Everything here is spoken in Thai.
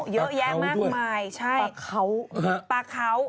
เยอะแยกมากมายปลาเข้าใช่ปลาเข้า